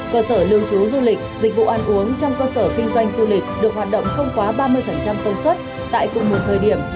cơ sở lưu trú du lịch dịch vụ ăn uống trong cơ sở kinh doanh du lịch được hoạt động không quá ba mươi công suất tại cùng một thời điểm